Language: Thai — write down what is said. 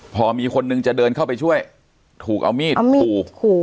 พอมีคนนึงจะเดินเข้าไปช่วยถูกเอามีดขู่